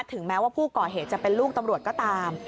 ถึงแม้ว่าผู้ก่อเหตุจะเป็นลูกตำรวจก็ตาม